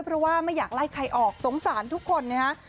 เพราะว่าไม่อยากไล่ใครออกสงสารทุกคนนะฮะ